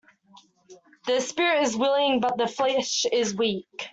The spirit is willing but the flesh is weak.